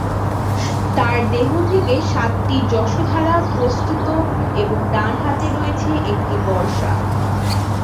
তার দেহ থেকে সাতটি যশোধারা প্রস্রুত এবং ডান হাতে রয়েছে একটি বর্শা।